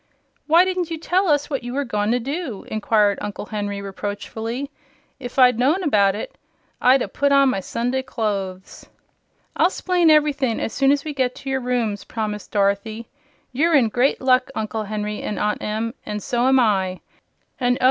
"Why didn't you tell us what you were goin' to do?" inquired Uncle Henry, reproachfully. "If I'd known about it, I'd 'a put on my Sunday clothes." "I'll 'splain ever'thing as soon as we get to your rooms," promised Dorothy. "You're in great luck, Uncle Henry and Aunt Em; an' so am I! And oh!